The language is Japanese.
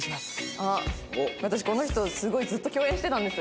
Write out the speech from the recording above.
あっ私この人すごいずっと共演してたんです。